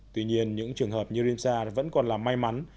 tuy nhiên những trường hợp như rinsa vẫn còn là may mắn